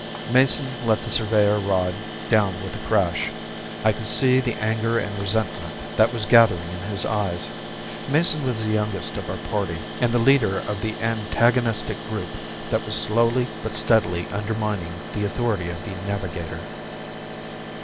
Mason let the surveyor rod down with a crash. I could see the anger and resentment that was gathering in his eyes. Mason was the youngest of our party and the leader of the antagonistic group that was slowly but steadily undermining the authority of the Navigator.